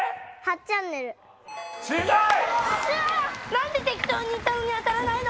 何で適当に言ったのに当たらないの！